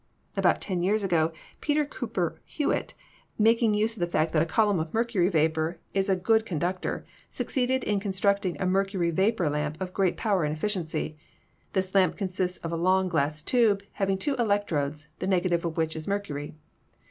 About ten years ago Peter Cooper Hewitt, making use of the fact that a column of mercury vapor is a good con ductor, succeeded in constructing a mercury vapor lamp of great power and efficiency. This lamp consists of a long glass tube, having two electrodes, the negative of which is mercury.